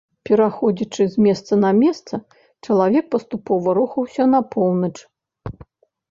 Пераходзячы з месца на месца, чалавек паступова рухаўся на поўнач.